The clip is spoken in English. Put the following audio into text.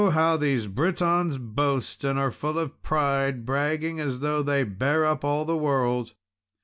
how these Britons boast and are full of pride, bragging as though they bare up all the world!"